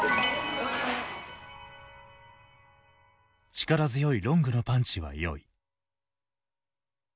「力強いロングのパンチは良い」。